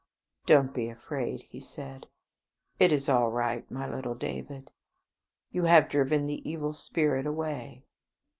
"Don't be afraid," he said; "it is all right, my little David. You have driven the evil spirit away."